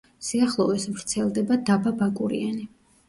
სიახლოვეს ვრცელდება დაბა ბაკურიანი.